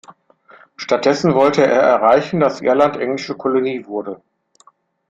Stattdessen wollte er erreichen, dass Irland englische Kolonie wurde.